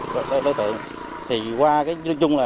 đối tượng thì qua nói chung là